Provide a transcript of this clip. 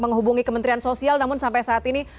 menghubungi kementerian sosial namun sampai saat ini